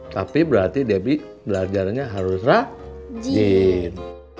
tapi berarti debbie belajarnya harus rajin